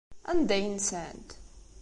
Anda ay nsant?